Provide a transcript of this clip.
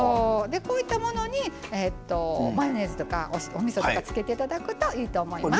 こういったものにマヨネーズとかおみそとかつけて頂くといいと思います。